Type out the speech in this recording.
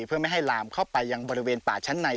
เพื่อไม่ให้ลามเข้าไปยังบริเวณป่าชั้นใน